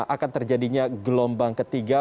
akan terjadinya gelombang ketiga